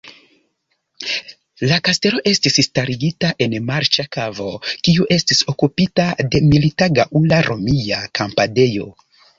La kastelo estis starigita en marĉa kavo, kiu estis okupita de milita gaŭla-romia kampadejo.